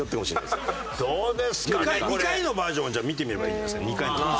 ２回のバージョンを見てみればいいんじゃないですか？